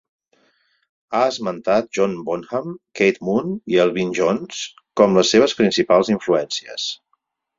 Ha esmentat John Bonham, Keith Moon i Elvin Jones com les seves principals influències.